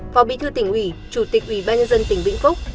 phó bí thư tỉnh ủy chủ tịch ủy ban nhân dân tỉnh vĩnh phúc